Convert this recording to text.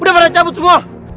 udah pada cabut semua